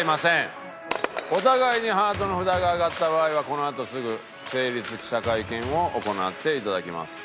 お互いにハートの札が上がった場合はこのあとすぐ成立記者会見を行っていただきます。